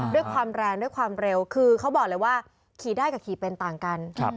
ด้วยความแรงด้วยความเร็วคือเขาบอกเลยว่าขี่ได้กับขี่เป็นต่างกัน